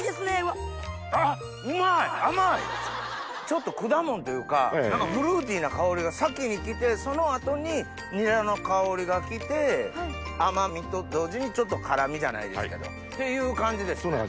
ちょっと果物というかフルーティーな香りが先に来てその後にニラの香りが来て甘味と同時にちょっと辛味じゃないですけどっていう感じですね。